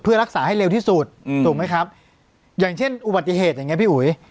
เพื่อรักษาให้เร็วที่สุดถูกไหมครับอย่างเช่นอุบัติเหตุอย่างเงี้พี่อุ๋ย